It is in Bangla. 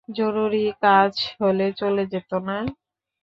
জরুরি কাজ হলে চলে যেত না।